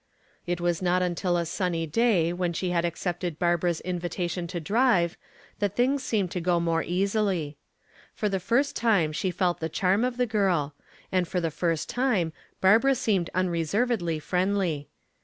It was not until a sunny day when she had accepted Barbara's invitation to drive that things seemed to go more easily. For the first time she felt the charm of the girl, and for the first time Barbara seemed unreservedly friendly.